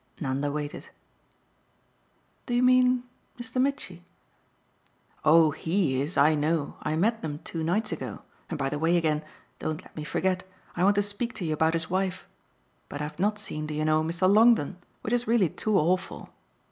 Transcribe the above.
Nanda waited. "Do you mean Mr. Mitchy?" "Oh HE is, I know I met them two nights ago; and by the way again don't let me forget I want to speak to you about his wife. But I've not seen, do you know? Mr. Longdon which is really too awful.